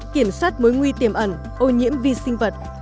kiểm soát mối nguy tiềm ẩn ô nhiễm vi sinh vật